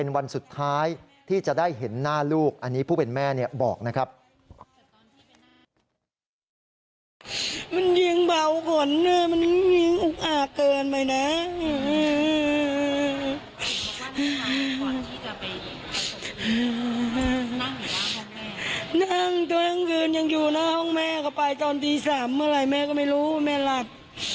นั่งเจ้ายังคืนยังอยู่หน้าห้องแม่ก็ไปตอนตี๓เมื่อไหร่แม่ก็ไม่รู้แม่หลัด